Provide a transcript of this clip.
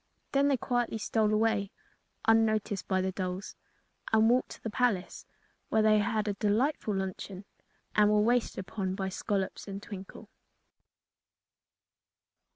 Then they quietly stole away, unnoticed by the dolls, and walked to the palace, where they had a delightful luncheon and were waited upon by Scollops and Twinkle.